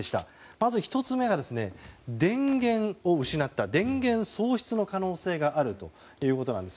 まず１つ目が、電源を失った電源喪失の可能性があるということです。